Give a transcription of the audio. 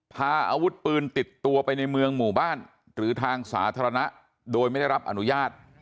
พาอาวุธปืนติดตัวไปในเมืองหมู่บ้านหรือทางสาธารณะโดยไม่ได้รับอนุญาต